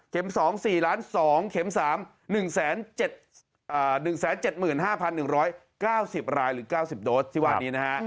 เข็ม๒๔ล้าน๒เข็ม๓๑๗๕๑๙๐รายหรือ๙๐โดสที่วันนี้นะฮะ